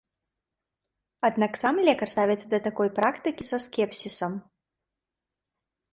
Аднак сам лекар ставіцца да такой практыкі са скепсісам.